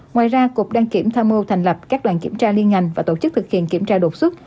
ngoài ra cục đăng kiểm tham mưu thành lập các đoàn kiểm tra liên ngành và tổ chức thực hiện kiểm tra đột xuất